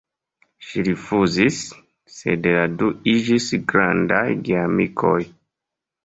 Ŝi rifuzis, sed la du iĝis grandaj geamikoj.